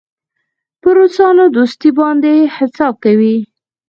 پر روسانو دوستي باندې حساب کوي.